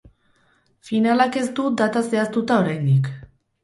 Finalak ez du data zehaztuta oraindik.